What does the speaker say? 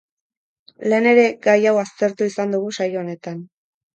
Lehen ere gai hau aztertu izan dugu saio honetan.